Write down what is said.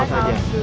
iya awal saja